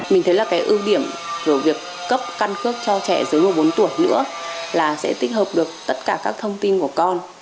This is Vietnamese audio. mình thấy là cái ưu điểm của việc cấp căn cước cho trẻ dưới một bốn tuổi nữa là sẽ tích hợp được tất cả các thông tin của con